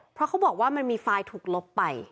เพราะเขาบอกว่ามันมีไฟล์ถูกลบไป